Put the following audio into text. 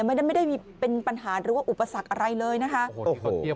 ไม่ได้ไม่ได้มีเป็นปัญหาหรือว่าอุปสรรคอะไรเลยนะคะ